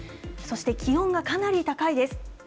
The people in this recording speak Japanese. そして気温がかなり高いです。